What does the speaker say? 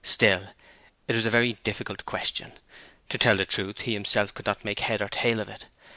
Still, it was a very difficult question: to tell the truth, he himself could not make head or tail of it.